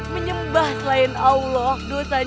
menyembah selain allah dosanya besar kang